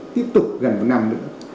tiếp tục gần một năm nữa